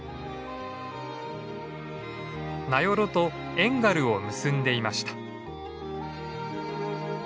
名寄と遠軽を結んでいました。